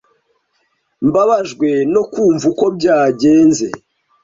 Mbabajwe no kumva uko byagenze.